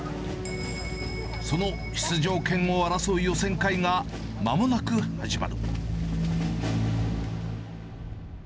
その出場権を争う予選会がまもなく始まる。